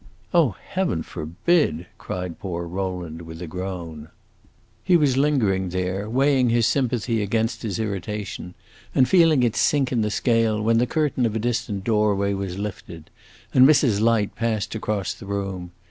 "Oh, Heaven forbid!" cried poor Rowland, with a groan. He was lingering there, weighing his sympathy against his irritation, and feeling it sink in the scale, when the curtain of a distant doorway was lifted and Mrs. Light passed across the room.